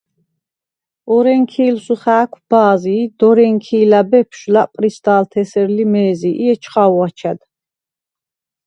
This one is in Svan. ორენქი̄ლსუ ხა̄̈ქვ ბა̄ზი ი დორენქი̄ლა̈ ბეფშვ ლა̈პრისდა̄ლთ’ ე̄სერ ლიზ მე̄ზი ი ეჩხა̄ვუ აჩა̈დ.